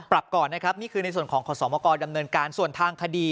ก่อนนะครับนี่คือในส่วนของขอสมกรดำเนินการส่วนทางคดี